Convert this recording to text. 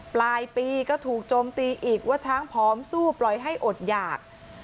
ปลายปีก็ถูกโจมตีอีกว่าช้างผอมสู้ปล่อยให้อดหยาก